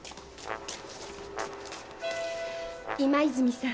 今泉さん。